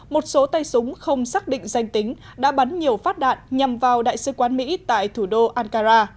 một số tay súng không xác định danh tính đã bắn nhiều phát đạn nhằm vào đại sứ quán mỹ tại thủ đô ankara